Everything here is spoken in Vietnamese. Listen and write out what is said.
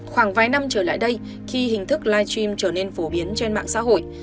khoảng vài năm trở lại đây khi hình thức live stream trở nên phổ biến trên mạng xã hội